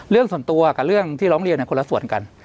เรื่องส่วนตัวกับเรื่องที่ร้องเรียนคนละส่วนกัน